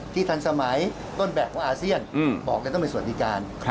ทันสมัยต้นแบบของอาเซียนบอกจะต้องเป็นสวัสดิการ